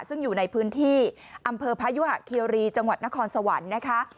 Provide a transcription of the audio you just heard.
ซึ่งอยู่ในพื้นที่อำเภอพยุหะเคียรีจังหวัดนครสวรรค์นะคะ